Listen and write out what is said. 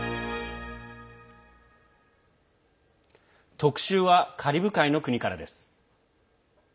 特集はカリブ海の国からです。